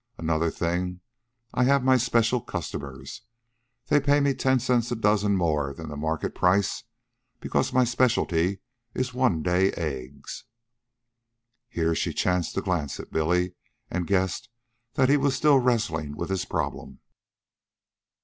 Another thing: I have my special customers. They pay me ten cents a dozen more than the market price, because my specialty is one day eggs." Here she chanced to glance at Billy, and guessed that he was still wrestling with his problem.